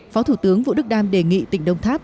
phó thủ tướng vũ đức đam đề nghị tỉnh đông tháp